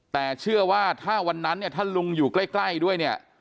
แต่เชื่อว่าถ้าวันนั้นเนี่ยถ้าลุงอยู่ใกล้ด้วยเนี่ย